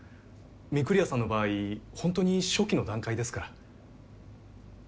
御厨さんの場合ホントに初期の段階ですから。